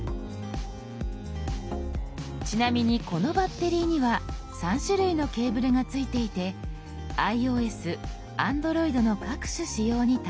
ちなみにこのバッテリーには３種類のケーブルが付いていてｉＯＳＡｎｄｒｏｉｄの各種仕様に対応しています。